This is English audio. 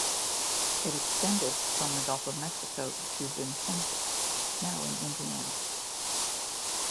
It extended from the Gulf of Mexico to Vincennes, now in Indiana.